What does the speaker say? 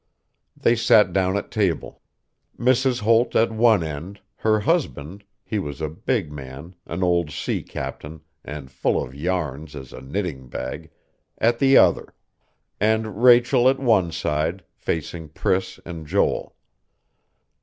They sat down at table. Mrs. Holt at one end, her husband he was a big man, an old sea captain, and full of yarns as a knitting bag at the other; and Rachel at one side, facing Priss and Joel.